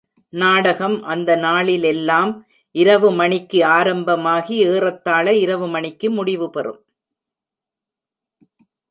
நாடகம் அந்த நாளிலெல்லாம் இரவு மணிக்கு ஆரம்பமாகி ஏறத்தாழ இரவு மணிக்கு முடிவுபெறும்.